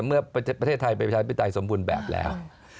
เมื่อประเทศไทยไปชัดไปตายสมบูรณ์แบบแล้ว